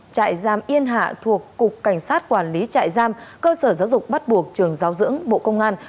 trại giam yên hạ thuộc cục cảnh sát quản lý trại giam cơ sở giáo dục bắt buộc trường giáo dưỡng bộ công an